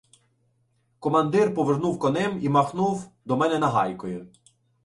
Командир повернув конем і махнув до мене нагайкою.